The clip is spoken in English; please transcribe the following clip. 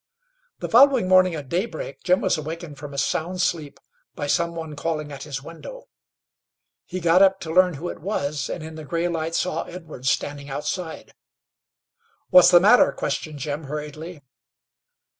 The following morning at daybreak, Jim was awakened from a sound sleep by some one calling at his window. He got up to learn who it was, and, in the gray light, saw Edwards standing outside. "What's the matter?" questioned Jim, hurriedly.